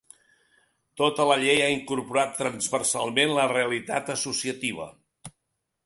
Tota la llei ha incorporat transversalment la realitat associativa.